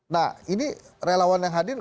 nah ini relawan yang hadir